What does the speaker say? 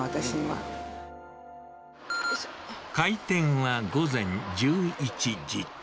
開店は午前１１時。